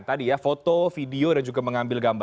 tadi ya foto video dan juga pengambilan